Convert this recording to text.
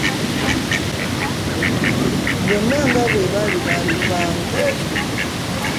Bonna nga bwebali bantu bankwe